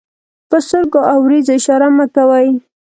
په سترګو او وريځو اشارې مه کوئ!